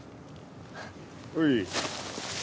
おい。